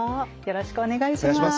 よろしくお願いします。